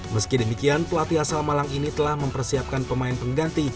meski demikian pelatih asal malang ini telah mempersiapkan pemain pengganti